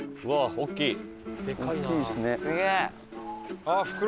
はい。